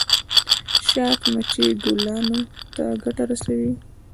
شات مچۍ ګلانو ته ګټه رسوي